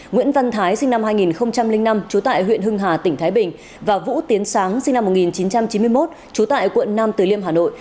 nguyễn văn thái sinh năm hai nghìn năm trú tại huyện hưng hà tỉnh thái bình và vũ tiến sáng sinh năm một nghìn chín trăm chín mươi một trú tại quận nam từ liêm hà nội